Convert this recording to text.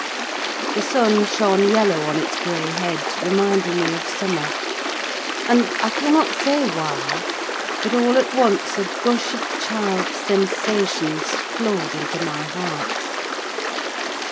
The sun shone yellow on its grey head, reminding me of summer; and I cannot say why, but all at once a gush of child's sensations flowed into my heart.